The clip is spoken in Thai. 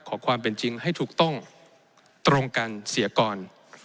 ขอความเป็นจริงให้ถูกต้องตรงกันเสียก่อน